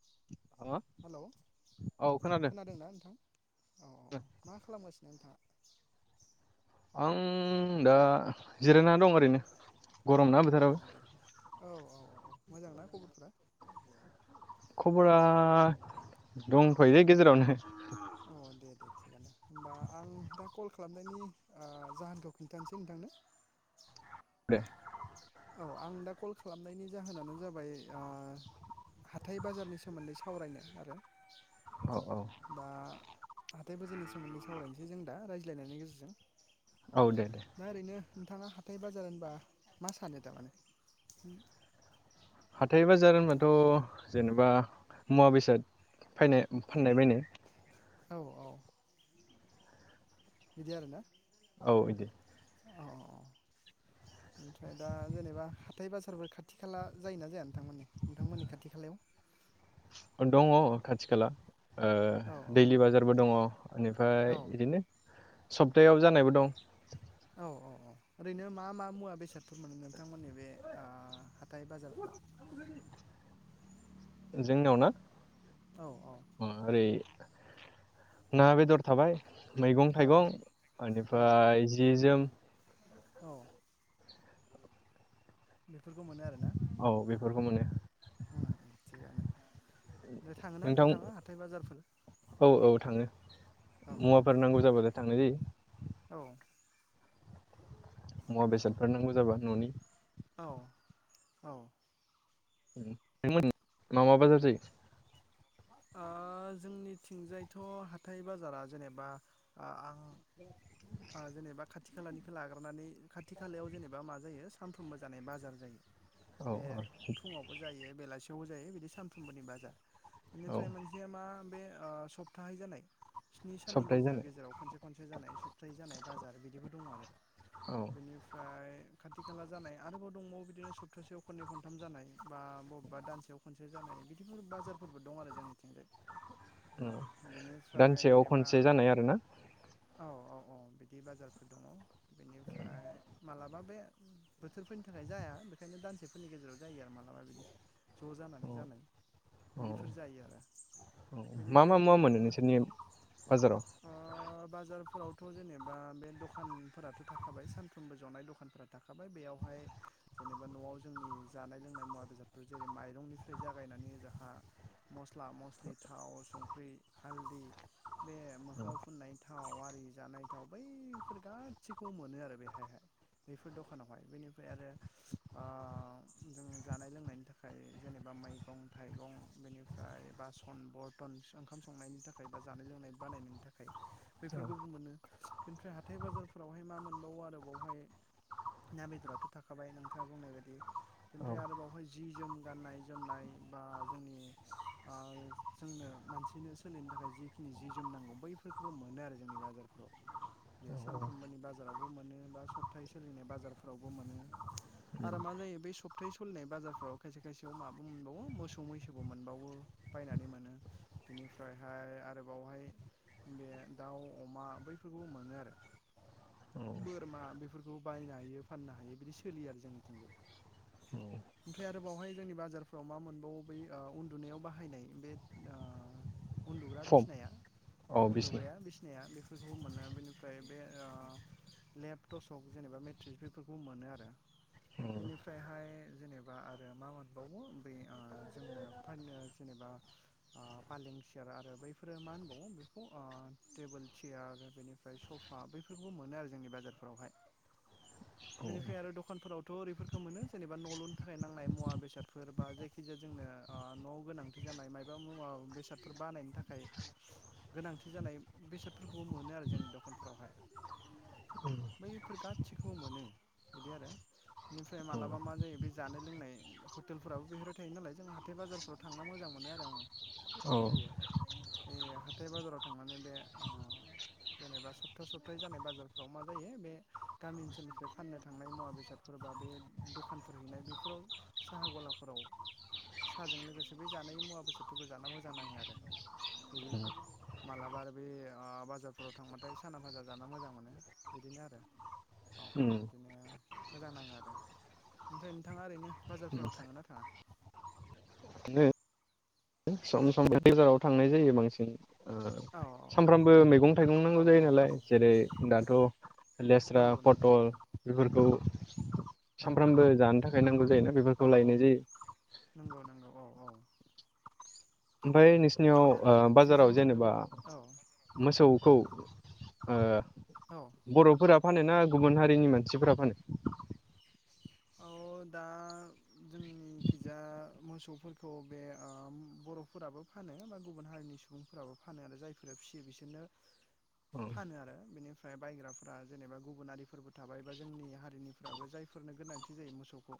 [inaudible] औ खोनादों [inaudible] आं दा जिरायनानै दं ओरैनो गरम ना बोथोराबो [inaudible] खबरा दंथयोलै गेजेरावनो औ दे दे थिगआानो होमबा आं दा कल खालामनायनि ओ जाहोनखौ खिन्थानोसै नोंथांनो दे औ आं दा कल खालामनायनि जाहोनानो जाबाय हाथाय बाजारनि सोमोन्दै सावरायनो आरो औ औ दा हाथाय बोजोरनि सोमोन्दै सावरायनोसै जों दा रायज्लायनायनि गेजेरजों औ दे दे दा ओरैनो नोंथाङा हाथाय बाजार होनबा मा सानो थारमाने हाथाय बाजार होनबाथ जेनेबा मुवा बेसाद फायनाय फाननाय बायनाय औ औ बिदि आरो ना औ बिदि ओमफ्राय दा जेनेबा हाथाय बाजारफोर खाथि खाला जायोना जाया नोंथां मानि नोंथांमोननि खाथि खालायाव दङ खाथि खाला ओ औ दैलि बाजारबो दङ औ बेनिफ्राय बिदिनो सप्थायाव जानायबो दं औ औ औ ओरैनो मा मा मुवा बेसादफोर मोनो नोंथांमोननि बे थाइ बाजारफ्राव जोंनियाव ना औ औ ओरै ना बेदर थाबाय मैगं औ थाइगं औ बेनिफ्राय जि जोम औ बेफोरखौ मोनो आरो ना औ बेफोरखौ मोनो थिगानो ओमफ्राय थाङोना नोंथां नोंथाङा हाथाय बाजारफोर औ औ थाङो औ औ मुवाफोर नांगौ जाबथाय थानाय जायो औ मुवा बेसादफोर नांगौ जाबा ननि औ औ मा मा बाजार जायो ओ जोंनिथिंजायथ हाथाय बाजारा जेनेबा आं [inaudible] जेनेबा खाथि खालानिखौ लाग्रोनानै खाथि खालायाव जेनेबा मा जायो सानफ्रोमबो जानाय बाजार जायो औ बे फुङावबो जायो बेलासि सोयाव जायो बिदि सानफ्रोमबोनि बाजार औ बेनिफ्राय मोनसेया मा बे सप्ताहै जानाय स्नि साननि सप्ताहै गेजेराव जानाय गेजेराव खनसे खनसे जानाय सत फ्रै जानाय बाजार बिदिबो दङ आरो औ बेनिफ्राय [inaudible] खाथि खाला जानाय आरोबाव दंबावो बिदिनो सप्तासेयाव खननै खनथाम जानाय बा बबेबा दानसेयाव खनसे जानाय बि बेफोर बाजारफोरबो दं आरो जोंनिथिंजाय औ बेनिफ्राय दानसेयाव जेनेबा खनसे जानाय आरोना औ औ अ बिदि बाजारफोर दङ बेनिफ्राय मालाबा बे बोथोरफोरनि थाखाय जाया बेखायनो दानसेफोरनि गेजेराव जायो आरो मालाबा बिदि ज औ जानानै जानाय औ बिदिफोर जायो आरो मा बेनिफ्राय मा मुवा मोनो ओरैनो नोंसोरनि बाजाराव थ जेनेबा बे दखानफोराथ थाखाबाय सानफ्रोमबो जनाय दखानफोरा थाखाबाय बेयावहाय जेनेबा नआव जोंनि जानाय लोंनाय मुवा बेसादफोर जेरै माइरंनिफ्राय जागायनानै जोंहा मस्ला मस्लि थाव संख्रि हालदै बे औ मोखङाव फुननायनि थाव आरि जानाय थाव बैफोर गासिखौबो मोनो आरो बेहायहाय बेफोर दखानावहाय बेनिफ्राय आरो ओ जानाय लोंनायनि थाखाय जेनेबा मैगं थाइगं बेनिफ्राय बासन बरन ओंखाम संनायनि थाखाय बा जानाय लोंनाय बानायनायनि थाखाय बैफोरखौ मोनो। बेनिफ्राय हाथाय बाजारफोरावहाय मा मोनबावो आरोबावहाय ना बेदराथ' थाखाबाय नोंथाङा बुंनाय बायदि औ बेनिफ्राय आरो बावहाय जि जोम गाननाय जोमनाय बा जोंनि ओ जोंनो मानसिनो सोलिनो थाखाय जिखिनि जि जोमनांगौ बै फोरखौबो मोनो आरो जोंनि बाजारफ्राव। बे सानफ्रोमबोनि बाजारावबो मोनो बा सप्ताहि सोलिनाय बाजारफोरावबो मोनो। आरो मा जायो बे सप्तै सोलिनाय बाजारफोराव खायसे खायसेयाव माबो मोनबावो मोसौ मैसोबो मोनबावो। बायनानै मोनो बेनिफ्रायहाय आरोबावहाय बे दाउ अमा बैफोरखौबो मोनो आरो बोरमा बेफोरखौ बायनो हायो फाननो हायो बिदि सोलियो आरो जोंनिथिंजाय [inaudible] ओमफ्राय आरो बावहाय जोंनि बाजारफ्राव मा मोनबावो बै उन्दुनायाव बाहायनाय बे ओ उन्दुग्रा फम बिसनाया औ बिसिना औ उन्दुग्राया बिसना बेफोरखौ मोनो बेनिफ्राय बे ओ लेप टसक जेनेबा मेट्रिस बेफोरखौ मोनो आरो [inaudible] बेनिफ्रायहाय जेनेबा आरो मा मोनबावो बे ओ जोंनो फाननो जेनेबा ओ फालें सियार आरो बैफोरो मा होनबावो बेखौ ओ टेबोल सियार बेनिफ्राय सफा बैफोरखौबो मोनो आरो जोंनि बाजारफोरावहाय बेनिफ्राय आरो दखानफोराव थ' बेफोरखौ मोनो जेनेबा न' लुनो थाखाय नांनाय मुवा बेसादफोर बा जायखि जाया जोंनो ओ न' वाव गोनांथि जा जानाय मायबा मुवा बेसादफोर बानायनो थाखाय गोनांथि जानाय बेसादफोरखौबो मोनो आरो जेनेबा दखानफोरावहाय बैफोर गासिखौबो मोनो बिदि आरो बेनिफ्राय मालाबा मा जायो बे जानाय लोंनाय हटेलफोराबो बेफोरबाय थायो नालाय जों हाथाय बाजारफोराव थांना मोजां मोन मोनो आरो आङो औ बिदि जायो बे हाथाय बाजाराव थांनानै बे ओ [inaudible] जेनेबा सप्ता सप्तयै जानाय बाजारफ्राव मा जायो बे गामि ओनसोलनिफ्राय फाननो थांनाय मुवा बेसादफोरखौ सोरबा बे दखानफोर हैनाय बेफोराव साहा गलाफोराव साहाजों लोगोसे बै जानाय मुवा बेसादफोरखौ जाना मोजां नाङो आरो। बिदि माबलाबा आरो बे बाजारफोराव थांबाथाय साना भाजा जाना मोजां मोनो बिदिनो आरो। औ बिदिनो मोजां नाङो आरो ओमफ्राय नोंथाङा ओरैनो बाजारफोराव थाङो ना थाङा? ननो [unintelligible] सम सम गेजेराव थांनाय जायो बांसिन औ सामफ्रामबो मैगं थाइगं नांगौ जायो औ औ नालाय जेरै दाथ' लेस्रा नंगौ नंगौ औ पटल बेफोरखौ औ सानफ्रामबो जानो थाखाय नांगौ जायोना औ बेफोरखौ औ लायनाय नंगौ जायो। नंगौ औ औ ओमफ्राय नोंसिनियाव ओमफ्राय आरो ओ जि बाजाराव जेनेबा जोमफोरखौबो औ मोसौ खौ ओ औ बर'फोरा फानो ना गुबुन हारिनि मानसिफोरा फानो? औ दा [inaudible] खिजा मोसौफोरखौ बे ओ बर'फोराबो फानो बा गुबुन हारिनि सुबुंफोराबो फानो जायफोरा फिसियो बिसोरनो फानो आरो बेनिफ्राय बायग्राफोरा जेनेबा गुबुनारिफोरबो थाबाय बा जोंनि हारिनिफ्राबो जायफोरनो गोनां थि जायो मोसौखौ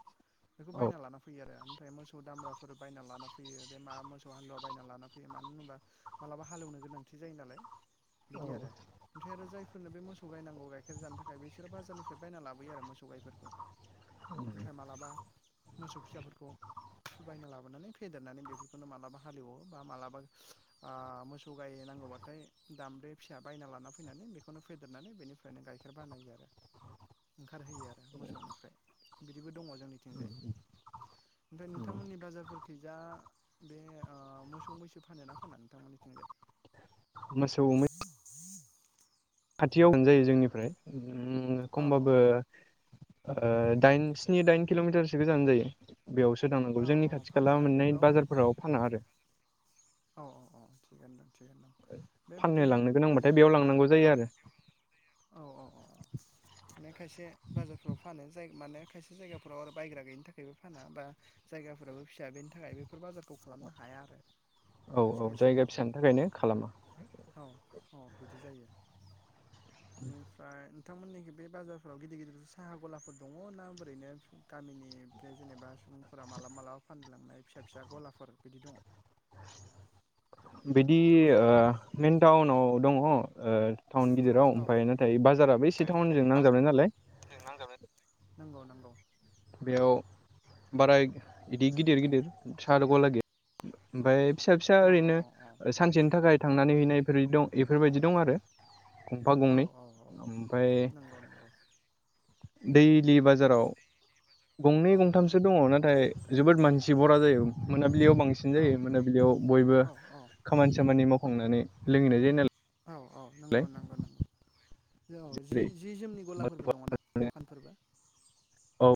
बेखौ औ बायना लाना फैयो आरो ओमफ्राय मोसौ दामब्राफोर बायना लाना फैयो बे मा मोसौ हालुवा बायना लान फैयो मा नो होनोबा मालाबा हालेवनो गोनांथि जायो नालाय बिदि औ आरो ओमफ्राय आरो जायफोरनो बे मोसौ गायनांगौ गाइखेर जानो थाखाय बिसोरो बाजारनिफ्राय बायना लाबोयो आरो मोसौ गाइफोरखौ ओमफ्राय मालाबा मोसौ फिसाफोरखौ बायना लाबोनानै फेदेरनानै बेफोरखौनो मालाबा हालेवो बा मालाबा ओ मोसौ गाय नांगौबाथाय दामब्रे फिसा बायना लाना फैनानै बेखौनो फेदेरनानै बेनिफ्रायनो गाइखेर बानायो आरो ओंखारहोयो आरो मोसौनिफ्राय बिदिबो दङ जोंनिथिंजाय ओमफ्राय नोंथांमोननि बाजारफोरखै जा बे ओ मोसौ मैसो फानो ना फाना नोंथांमोननि थिंजाय मोसौ थियाव होनजायो जोंनिफ्राय उम औ खमबाबो औ ओ दाइन स्नि दाइन किल'मिटारसो गोजान जायो। बेयावसो दांनांगौ औ औ जोंनि खाथि खाला फानोना मोननाय बेफोरावहाय बाजारफोराव फाना आरो अ औ थिगोनो दं थिगोनो दं बे फाननो बिदिनो लांनो गोनांबाथाय बेयाव जेनेबा लांनांगौ जायो औ आरो औ औ औ [inaudible] माने खायसे बाजारफोराव फानो जाय माने खायसे जायगाफोराव आरो बायग्रा गैयिनि थाखायबो फाना बा जायगाफोराबो फिसा बेनि थाखाय बेफोर बाजारखौ खालामनो हाया आरो औ खायसे खायसे जायगा जायगायावहाय फिसानि थाखायनो खालामा औ औ बिदि जायो। [inaudible] बेनिफ्राय नोंथांमोननिखि बे बाजारफ्राव गिदिर गिदिर साहा गलाफोर दङ ना ओरैनो गामिनि बेनिफ्राय जेनेबा सुबुंफोरा मालाबा मालाबा फाननो लांनाय फिसा फिसा गलाफोर बिदि दङ बिदि ओ मेन टाउनाव दङ ओ टाउन गिदिराव औ ओमफ्राय नाथाय बाजाराबो एसे थायो नाथाय टाउनजों नांजाबनाय नालाय बाजारजों नांजाबनाय नंगौ नंगौ। बेयाव बाराय इदि गिदिर गिदिर साहा गला गैया ओमफ्राय फिसा फिसा औ ओरैनो औ औ सानसेनि थाखाय थांनानै हैनायफोर दं बेफोरबायदि दं आरो गंफा औ गंनै औ औ ओमफ्राय नंगौ नंगौ दैलि बाजाराव गंनै औ गंथामसो दङ नाथाय जोबोद मानसि बरा जायो मो नाबिलियाव बांसिन औ जायो मोनाबिलियाव बयबो औ खामानि सामानि मावखांनानै लोङैनाय जायो नालाय औ औ नंगौ नंगौ नंगौ औ जि जेरै जि जोमनि गलाफोरबो दङ दा दखानफोरबो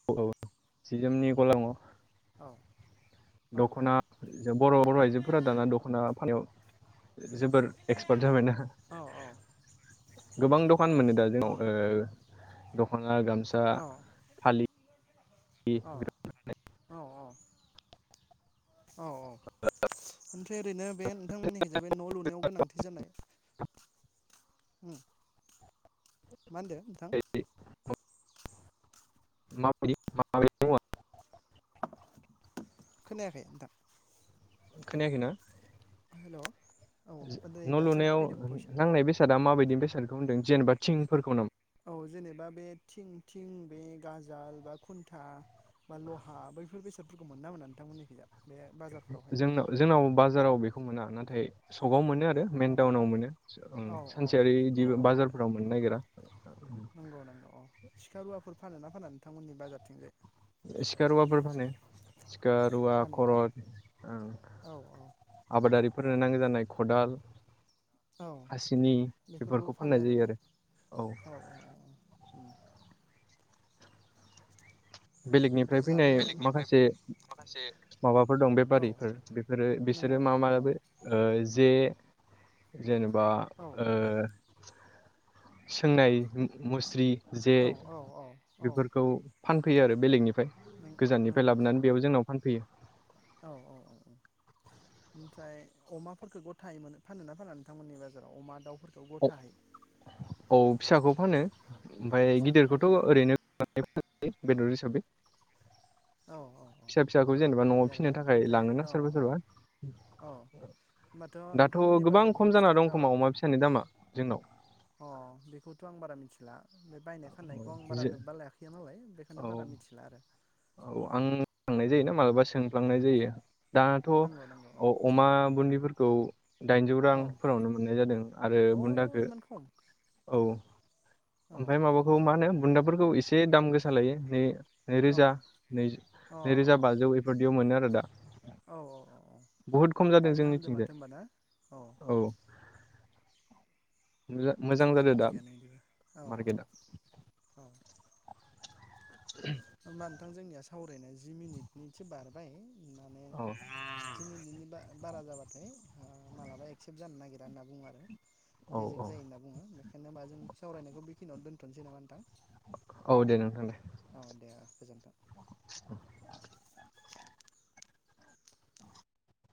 औ औ सि जोमनि गला [unintelligible] ओ दखना बर' बर' आइजोफोरा दाना दख'ना फानो जोबोर एक्सपार्ट जाबायना औ गोबां दखान मोनो दा औ जोंनाव ओ दख'ना गामसा औ फालि औ औ औ औ ओमफ्राय ओरैनो बे नोंथांमोननिखि जा बे न' लुनायाव गोनांथि जानाय उम मा होनदो नोंथां माब माब [unintelligible] खोनायाखै नोंथां खोनायाखैना हेल' औ नै न' दासो लुनायाव फैदों भइसा। नांनाय बेसादा माबायदि बेसादखौ होनदों जेनेबा थिंफोरखौ नामा औ जेनेबा बे थिं थिं बे गाजाल बा खुन्था बा लहा बैफोर बेसादफोरखौ मोनोना मोना नोंथांमोननिखैजा बे बाजारफोरावहाय? जोंनाव जोंनाव बाजाराव बेखौ मोना नाथाय सकाव मोन आरो मइन मोना ना? टाउनाव मोनो औ औ सानसेयारि बिदि औ औ औ बाजारफोराव मोननो उम नागिरा नंगौ नंगौ अ सिखा रुवाफोर फानोना फाना नोंथांमोननि बाजारथिंजाय सिखा रुवाफोर फानो सिखा रुवा फानो ना? खरत औ औ। आबादारिफोरनो नांगौ जानाय खदाल औ खासिनि बेफोरखौ बेफोरखौबो फानो फाननाय जायो आरोना? आरो औ [inaudible] बेलेगनिफ्राय ओमफ्राय जानाय फैनाय लोंनाय माखासे माखासे माबाफोर दं औ बेफारिफोर बेफोरो बिसोरो नंगौ मा-मा नंगौ औ जे जेनेबा औ ओ सोंनाय मुस्रि जे औ औ औ औ बेफोरखौ फानफैयो आरो बेलेगनि फ्राय गोजाननिफ्राय नंगौ नंगौ लाबोनानै औ बेयाव जोंनाव फानफैयो औ औ औ ओमफ्राय अमाफोरखौ गथायैनो फानोना फाना नोंथांमोननि बाजाराव अमा दाउ औ-औ फिसाखौ फानो ओमफाय फिसाखौ गिदिरखौथ' [inaudible] फानोना ओरैनो बेदर हिसाबै औ औ औ फिसा फिसाखौ जेनेबा बिदि न'आव फिसिनो आरोना थाखाय ओमफ्राय लाङोना औ सोरबा औ औ सोरबा होमबाथ' दाथ' नोंथांमोननि गोबां बाजारफोराव खम जाना फिथाइ दं औ खोमा अमा फिसानि दामा जोंनाव अ बेखौथ' आं बारा मिथि मिथिला बे बायनाय फाननायखौ आं बारा जे लोब्बा लाखाया नालाय औ बेखायनो बारा मिथिला आरो औ आं थांनाय जायोना मालाबा सोंफ्लांनाय जायो दाथ' नंगौ नंगौ अमा बुदिफोरखौ दाइनजौ औ रांफोरावनो मोननाय जादों आरो औ बुन्दाखो अ इमान खम औ औ ओमफ्राय माबाखौ मा होनो बुन्दाफोरखौ एसे दाम गोसा लायो नै औ नैरोजा अ नैरोजा बाजौ एफोरदियाव मोनो आरो दा औ-औ बुहुद खम होनबा जादों बायनो हामदों जोंनिथिंजाय माथो होनबा ना औ मोजा- मोजां जादो दा मार्केटआ [inaudible] होमबा नोंथां जोंनिया सावरायनाय जि मिनिटनिसो बारबाय माने औ जि बिनि बारा जाबाथाय मालाबा एक्सेप्ट जानो नागिरा [unintelligible] औ रेजेक औ जायो होनना बुङो बेखायनो हा जों सावरायनायखौ बेखिनियावनो दोनथ'नोसै नामा नोंथां औ दे नोंथां दे [inaudible] [inaudible]